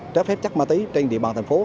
trái phép chất ma túy trên địa bàn thành phố